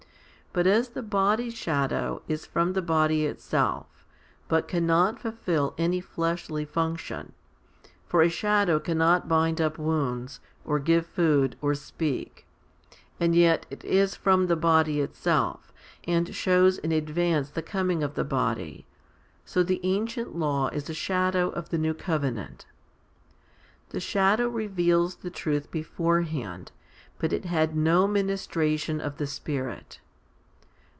But as the body's shadow is from the body itself, but cannot fulfil any fleshly function for a shadow cannot bind up wounds, or give food, or speak and yet it is from the body itself, and shows in advance the coming of the body, so the ancient law is a shadow of the new covenant. The shadow reveals the truth beforehand, but it had no ministration of the Spirit.